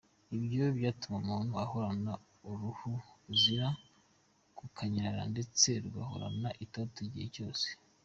Ibyo bigatuma umuntu ahorana uruhu ruzira gukanyarara ndetse rugahorana itoto igihe cyose.